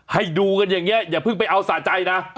ให้ดูกันอย่างนี้อย่าเพิ่งไปเอาสะใจนะ